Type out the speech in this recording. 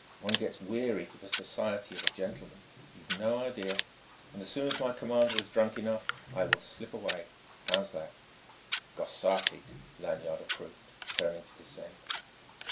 One gets weary for the society of a gentleman, you've no idea.... As soon as my commander is drunk enough, I will slip away. How's that?" "Grossartig!" Lanyard approved, turning to descend.